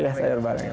iya sahur bareng